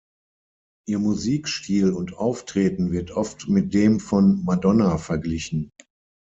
Ihr Musikstil und Auftreten wird oft mit dem von Madonna verglichen.